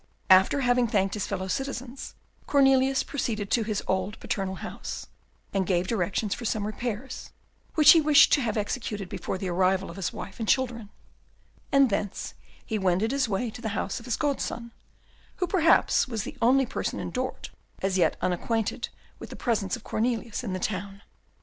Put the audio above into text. After having thanked his fellow citizens, Cornelius proceeded to his old paternal house, and gave directions for some repairs, which he wished to have executed before the arrival of his wife and children; and thence he wended his way to the house of his godson, who perhaps was the only person in Dort as yet unacquainted with the presence of Cornelius in the town.